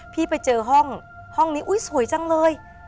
พี่ไปเจอห้องห้องนี้อุ๊ยสวยจังเลย